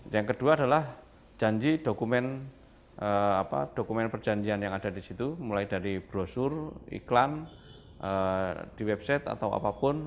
yang kedua adalah janji dokumen perjanjian yang ada di situ mulai dari brosur iklan di website atau apapun